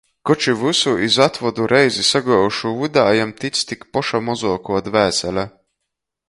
Koč i vysu iz atvodu reizi saguojušūs vydā jam tic tik poša mozuokuo dvēsele.